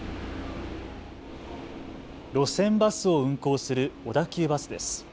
路線バスを運行する小田急バスです。